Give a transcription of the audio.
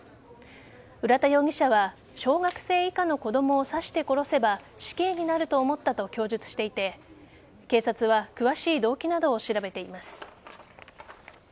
浦田容疑者は小学生以下の子供を刺して殺せば死刑になると思ったと供述していて警察は詳しい動機などを調べています。